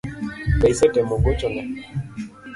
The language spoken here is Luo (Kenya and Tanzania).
Be isetemo gocho ne